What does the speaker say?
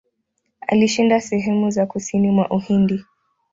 Alishinda sehemu za kusini mwa Uhindi.